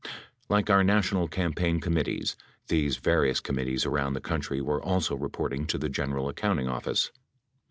11 Like our national campaign committees, these various com mittees around the country were also reporting to the General Accounting Office.